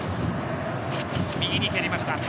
右に蹴りました。